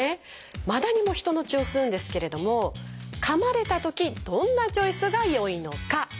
マダニも人の血を吸うんですけれどもかまれたときどんなチョイスがよいのか？